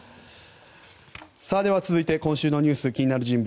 続いて今週の気になる人物